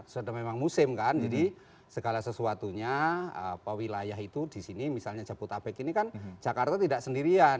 sudah memang musim kan jadi segala sesuatunya wilayah itu di sini misalnya jabodetabek ini kan jakarta tidak sendirian